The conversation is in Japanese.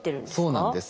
そうなんです。